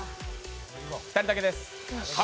２人だけです。